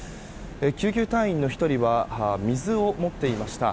救急隊員の１人は水を持っていました。